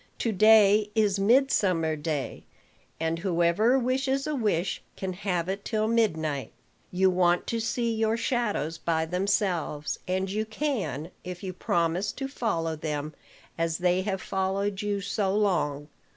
"To day is midsummer day, and whoever wishes a wish can have it till midnight. You want to see your shadows by themselves; and you can, if you promise to follow them as they have followed you so long.